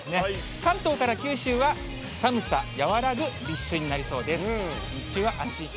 関東から九州は寒さ和らぐ立春になりそうです。